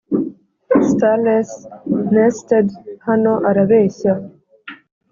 stirless, nested hano arabeshya